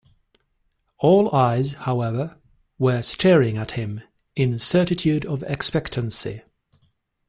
All eyes, however, were staring at him in certitude of expectancy.